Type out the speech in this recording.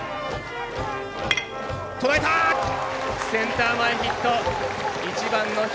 センター前ヒット。